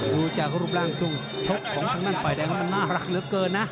ดูจากรูปร่างช่วงชกของทั้งนั้นฝ่ายแดงมันมากเหลือเกินนะ